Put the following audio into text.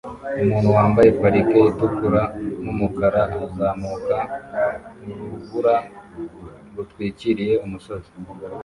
Umuntu wambaye parike itukura numukara uzamuka urubura rutwikiriye umusozi